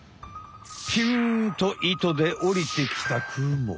ピュンと糸でおりてきたクモ。